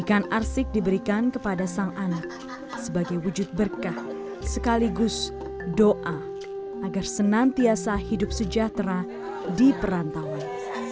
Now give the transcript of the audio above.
ikan arsik diberikan kepada sang anak sebagai wujud berkah sekaligus doa agar senantiasa hidup sejahtera di perantauan